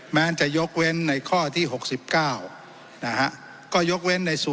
แม้งจะยกเว้นในคอที่๖๙